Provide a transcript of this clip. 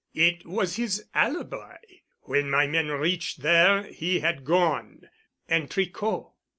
It was his alibi. When my men reached there, he had gone." "And Tricot?"